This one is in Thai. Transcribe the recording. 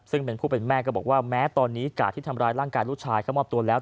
ซึ่งเป็นผู้เป็นแม่ก็บอกว่าแม้ตอนนี้กาดที่ทำร้ายร่างกายลูกชายเข้ามอบตัวแล้ว